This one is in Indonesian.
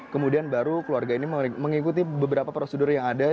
kemudian baru keluarga ini mengikuti beberapa prosedur yang ada